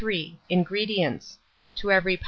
INGREDIENTS. To every lb.